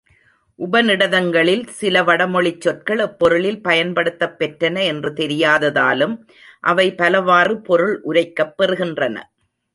உபநிடதங்களில் சில வடமொழிச் சொற்கள் எப்பொருளில் பயன்படுத்தப்பெற்றன என்று தெரியாததாலும் அவை பலவாறு பொருள் உரைக்கப் பெறுகின்றன.